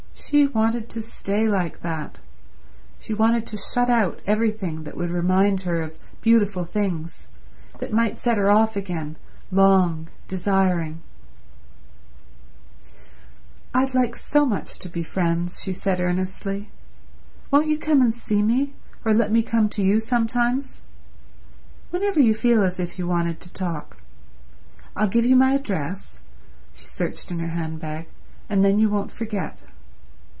She wanted to stay like that. She wanted to shut out everything that would remind her of beautiful things, that might set her off again long, desiring ... "I'd like so much to be friends," she said earnestly. "Won't you come and see me, or let me come to you sometimes? Whenever you feel as if you wanted to talk. I'll give you my address"—she searched in her handbag—"and then you won't forget."